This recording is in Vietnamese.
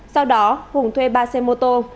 sau đó hùng thuê ba xe mô tô